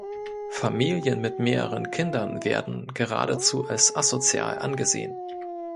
Familien mit mehreren Kindern werden geradezu als asozial angesehen.